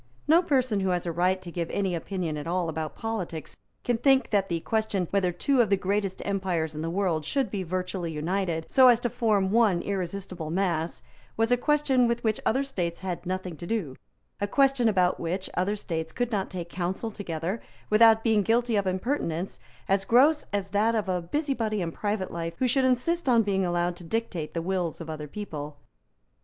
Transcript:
No person who has a right to give any opinion at all about politics can think that the question, whether two of the greatest empires in the world should be virtually united so as to form one irresistible mass, was a question with which other states had nothing to do, a question about which other states could not take counsel together without being guilty of impertinence as gross as that of a busybody in private life who should insist on being allowed to dictate the wills of other people.